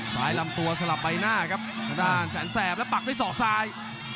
ลำตัวสลับใบหน้าครับทางด้านแสนแสบแล้วปักด้วยศอกซ้าย